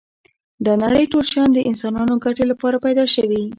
دا نړی ټول شیان د انسانانو ګټی لپاره پيدا شوی